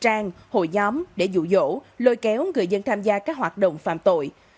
trang hội nhóm để dụ dỗ lôi kéo người dân tham gia các hoạt động phạm tội